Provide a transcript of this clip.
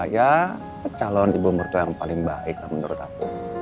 ya calon ibu mertua yang paling baik lah menurut aku